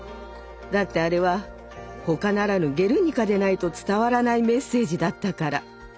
だってあれはほかならぬ「ゲルニカ」でないと伝わらないメッセージだったから。